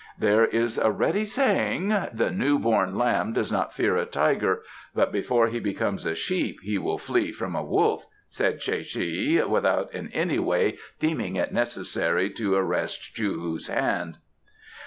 "There is a ready saying: 'The new born lamb does not fear a tiger, but before he becomes a sheep he will flee from a wolf,'" said Tsae che without in any way deeming it necessary to arrest Chou hu's hand.